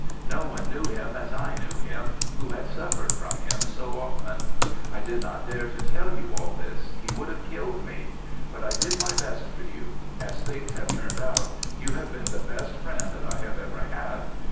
No one knew him as I knew him, who had suffered from him so often. I did not dare to tell you all this. He would have killed me. But I did my best for you. As things have turned out, you have been the best friend that I have ever had.